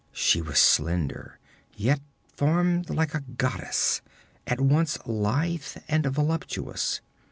She was slender, yet formed like a goddess: at once lithe and voluptuous.